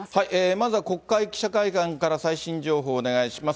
まずは国会記者会館から最新情報をお願いします。